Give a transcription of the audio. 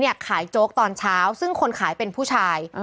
ขายโจ๊กตอนเช้าซึ่งคนขายเป็นผู้ชาย